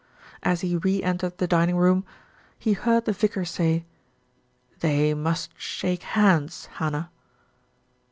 As he re entered the dining room, he heard the vicar say: "They must shake hands, Hannah."